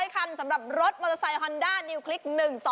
คันสำหรับรถมอเตอร์ไซค์ฮอนด้านิวคลิก๑๒